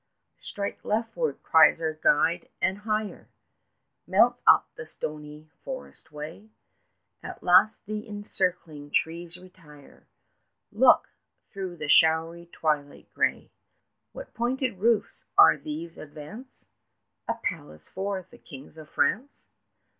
Strike leftward! cries our guide; and higher Mounts up the stony forest way. 20 At last the encircling trees retire; Look! through the showery twilight grey What pointed roofs are these advance? A palace of the Kings of France?